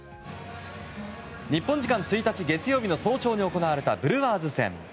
日本時間１日、月曜日の早朝に行われたブルワーズ戦。